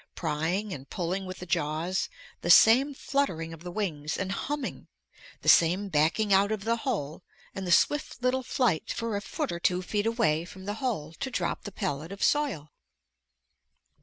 Prying and pulling with the jaws, the same fluttering of the wings and humming, the same backing out of the hole and the swift little flight for a foot or two feet away from the hole to drop the pellet of soil.